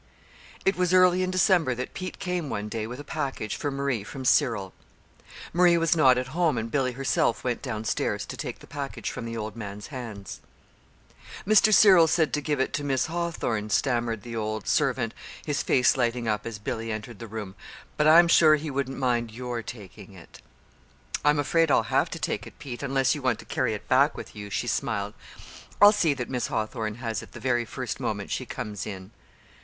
It was early in December that Pete came one day with a package for Marie from Cyril. Marie was not at home, and Billy herself went downstairs to take the package from the old man's hands. "Mr. Cyril said to give it to Miss Hawthorn," stammered the old servant, his face lighting up as Billy entered the room; "but I'm sure he wouldn't mind your taking it." "I'm afraid I'll have to take it, Pete, unless you want to carry it back with you," she smiled. "I'll see that Miss Hawthorn has it the very first moment she comes in."